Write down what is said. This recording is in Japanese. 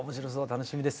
楽しみです。